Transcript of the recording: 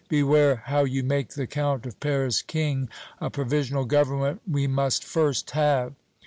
"Beware how you make the Count of Paris King! A provisional government we must first have!"